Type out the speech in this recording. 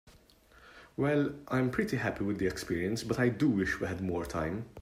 Well, I am pretty happy with the experience, but I do wish we had more time.